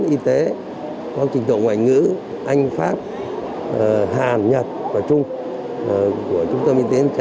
thực tế con trình độ ngoại ngữ anh pháp hàn nhật và trung của trung tâm y tế sơn trà